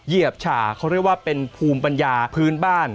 เหยียบฉาเขาเรียกว่าเป็นภูมิปัญญาพื้นบ้าน